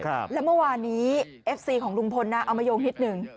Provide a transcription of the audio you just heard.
แล้วเมื่อวานนี้เอฟซีของลุงพลนะเอามาโยงนิดหนึ่ง